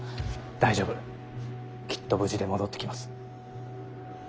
大丈夫きっと無事で戻ってきます。